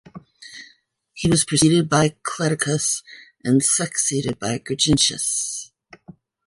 He was preceded by Cledaucus and succeeded by Gurgintius.